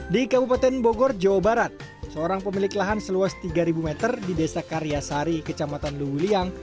di kabupaten bogor jawa barat seorang pemilik lahan seluas tiga meter di desa karyasari kecamatan luwuliyang